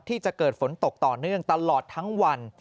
ที่จะเกิดฝนตกต่อเนื่องตลอดทั้งวัน